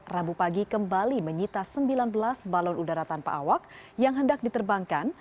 rabu pagi kembali menyita sembilan belas balon udara tanpa awak yang hendak diterbangkan